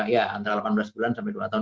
ya antara delapan belas bulan sampai dua tahun